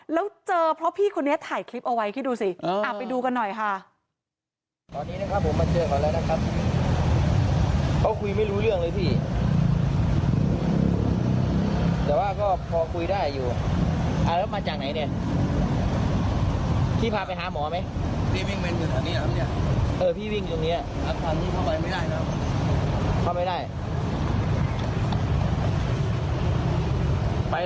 แล้วเจอเพราะพี่คนนี้ถ่ายคลิปเอาไว้คิดดูสิไปดูกันหน่อยค่ะ